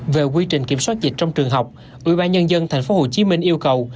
về quy trình kiểm soát dịch trong trường học ủy ban nhân dân tp hcm yêu cầu